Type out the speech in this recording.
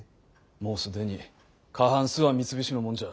もう既に過半数は三菱のもんじゃ。